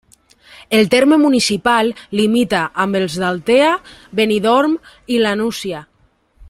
El terme municipal limita amb els d'Altea, Benidorm i La Nucia.